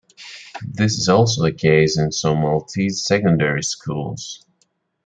This is also the case in some Maltese secondary schools.